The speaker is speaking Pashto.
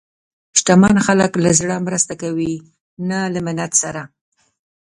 شتمن خلک له زړه مرسته کوي، نه له منت سره.